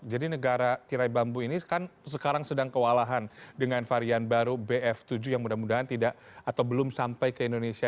negara tirai bambu ini kan sekarang sedang kewalahan dengan varian baru bf tujuh yang mudah mudahan tidak atau belum sampai ke indonesia